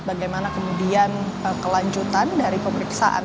bagaimana kemudian kelanjutan dari pemeriksaan